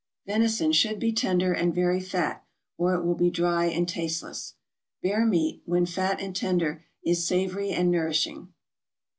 Venison should be tender, and very fat, or it will be dry and tasteless. Bear meat, when fat and tender, is savory and nourishing.